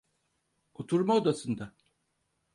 Oturma odasında.